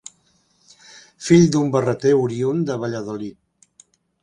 Fill d'un barreter oriünd de Valladolid.